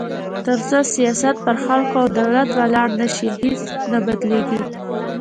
تر څو سیاست پر خلکو او عدالت ولاړ نه شي، هیڅ نه بدلېږي.